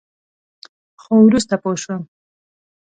خو وروسته پوه شوم.